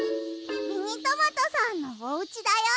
ミニトマトさんのおうちだよ。